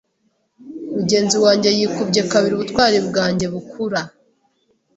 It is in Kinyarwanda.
mugenzi wanjye yikubye kabiri ubutwari bwanjye bukura.